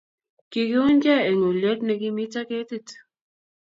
Kikiunygei eng' uliet ne kimito ketit